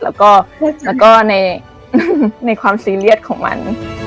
แล้วก็ในความซีเรียสของมัน